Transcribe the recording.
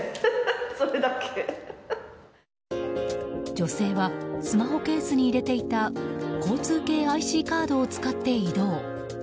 女性はスマホケースに入れていた交通系ＩＣカードを使って移動。